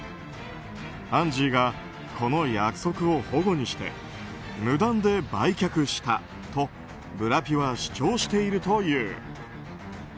アンジーがこの約束をほごにして無断で売却したとブラピは主張しているという。